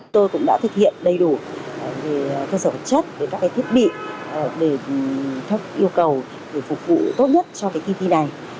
tôi cũng đã thực hiện đầy đủ cơ sở vật chất các thiết bị để yêu cầu phục vụ tốt nhất cho kỳ thi này